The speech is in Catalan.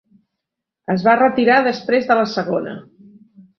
Es va retirar després de la segona.